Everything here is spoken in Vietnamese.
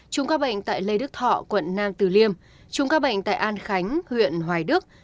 chùm ca bệnh tại lê đức thọ quận nam từ liêm chùm ca bệnh tại an khánh huyện hoài đức